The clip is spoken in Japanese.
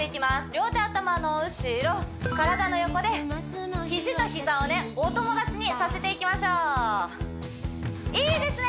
両手頭の後ろ体の横で肘と膝をねお友達にさせていきましょういいですね